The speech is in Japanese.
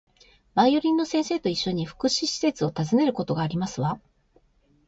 バイオリンの先生と一緒に、福祉施設を訪ねることがありますわ